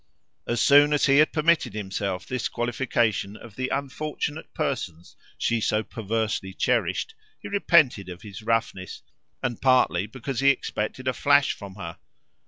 As soon as he had permitted himself this qualification of the unfortunate persons she so perversely cherished he repented of his roughness and partly because he expected a flash from her.